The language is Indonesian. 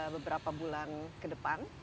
beberapa bulan ke depan